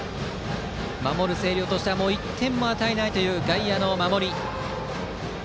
守る星稜としては１点も与えないという外野の守り。